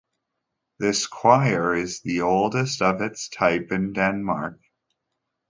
This choir is the oldest of its type in Denmark.